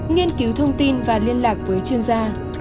nghiên cứu thông tin và liên lạc với chuyên gia